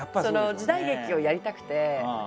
時代劇をやりたくて。